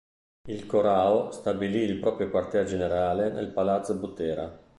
Il Corrao stabilì il proprio quartier generale nel Palazzo Butera.